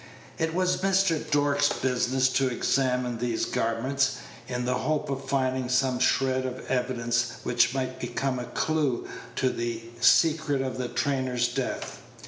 It was Mr. Dork's business to examine these garments, in the hope of finding some shred of evidence which might become a clew to the secret of the trainer's death.